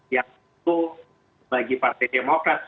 yang itu bagi partai demokrat